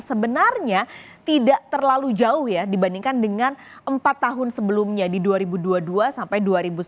sebenarnya tidak terlalu jauh ya dibandingkan dengan empat tahun sebelumnya di dua ribu dua puluh dua sampai dua ribu sembilan belas